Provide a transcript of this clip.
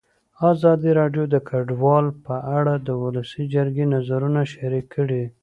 ازادي راډیو د کډوال په اړه د ولسي جرګې نظرونه شریک کړي.